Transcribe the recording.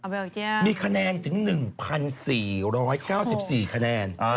เบลเยี่ยมมีคะแนนถึง๑๔๙๔คะแนน